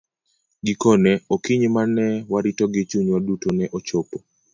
Gikone, okinyi ma ne warito gi chunywa duto ne ochopo.